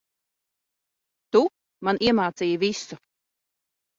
Tu, man iemācīji visu.